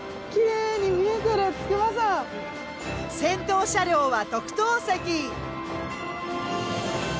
先頭車両は特等席。